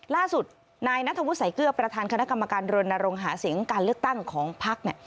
ล่าสุดนายนัทวุฒิใส่เกื้อประธานคณะกรรมการโรนโรงหาเสียงการเลือกตั้งของภักดิ์